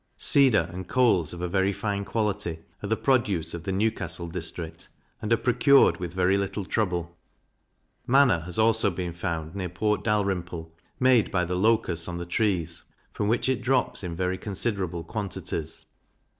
Cedar, and coals, of a very fine quality, are the produce of the Newcastle district, and are procured with very little trouble. Manna has also been found near Port Dalrymple, made by the locusts on the trees, from which it drops in very considerable quantities.